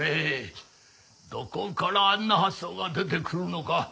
どこからあんな発想が出てくるのか。